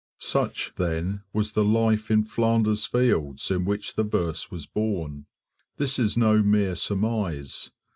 Such, then, was the life in Flanders fields in which the verse was born. This is no mere surmise.